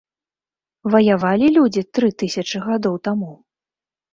Ваявалі людзі тры тысячы гадоў таму?